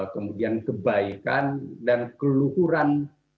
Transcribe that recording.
kemudian kebaikan dan keluhuran